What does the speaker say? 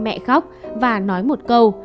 mẹ khóc và nói một câu